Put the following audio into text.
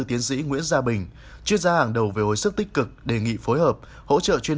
tiến sĩ nguyễn gia bình chuyên gia hàng đầu về hồi sức tích cực đề nghị phối hợp hỗ trợ chuyên